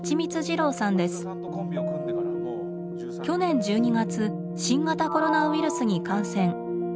去年１２月新型コロナウイルスに感染。